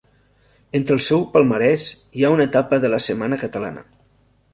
Entre el seu palmarès hi ha una etapa de la Setmana Catalana.